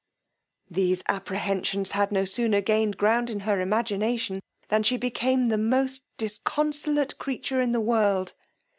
These apprehensions had no sooner gained ground in her imagination, than she became the most disconsolate creature in the world.